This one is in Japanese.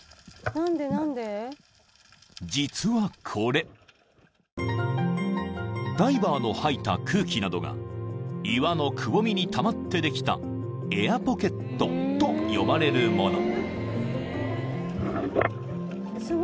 ［実はこれダイバーの吐いた空気などが岩のくぼみにたまってできたエアポケットと呼ばれるもの］